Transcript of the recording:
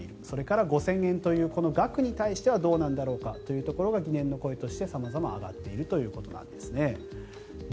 それから５０００円という額に対してはどうなんだろうかというところが疑念の声として様々上がっているということなんですね。